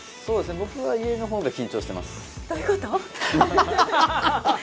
僕は家のほうで緊張しています。